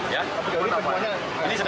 jadi sedang kita laksanakan olah tkp